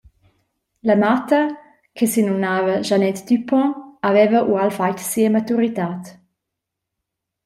La matta, che senumnava Jeanette Dupont, haveva ual fatg sia maturitad.